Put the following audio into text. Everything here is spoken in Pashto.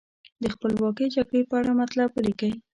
د خپلواکۍ جګړې په اړه مطلب ولیکئ.